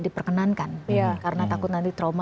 diperkenankan karena takut nanti trauma